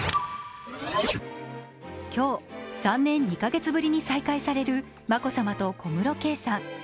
今日、３年２カ月ぶりに再会される眞子さまと小室圭さん。